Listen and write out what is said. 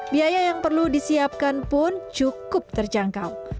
biaya yang perlu disiapkan pun cukup terjangkau